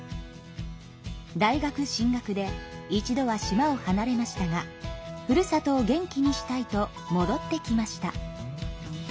大学進学で一度は島を離れましたがふるさとを元気にしたいともどってきました。